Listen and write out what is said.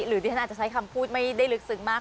หรือที่ท่านอาจจะใช้คำพูดไม่ได้ลึกซึ้งมาก